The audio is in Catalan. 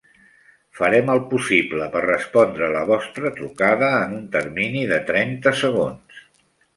Farem el possible per respondre la vostra trucada en un termini de trenta segons.